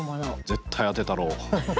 絶対、当てたろう。